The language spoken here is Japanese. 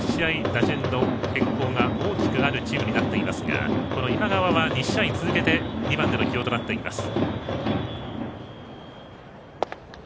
打順の変更が大きくなるチームになっていますがこの今川は２試合続けて２番での起用となっています。